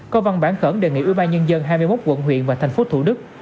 có văn bản khẩn đề nghị ưu ba nhân dân hai mươi một quận huyện và thành phố thủ đức